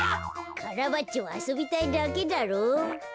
カラバッチョはあそびたいだけだろう。